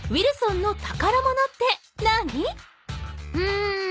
うん。